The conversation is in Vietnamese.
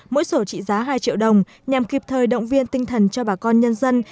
mỗi sổ trị giá hai triệu đồng nhằm kịp thời động viên tinh thần cho bà con nhân dân